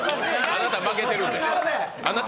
あなた負けてるんで。